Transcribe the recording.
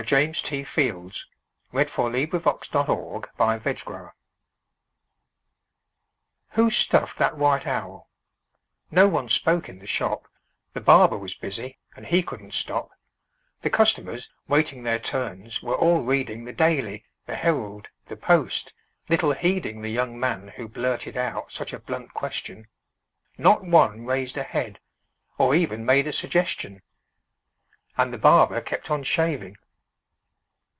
James T. Fields The Owl Critic "WHO stuffed that white owl?" No one spoke in the shop: The barber was busy, and he couldn't stop; The customers, waiting their turns, were all reading The "Daily," the "Herald," the "Post," little heeding The young man who blurted out such a blunt question; Not one raised a head, or even made a suggestion; And the barber kept on shaving.